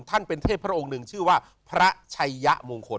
ท่านเป็นเทพพระองค์หนึ่งชื่อว่าพระชัยยะมงคล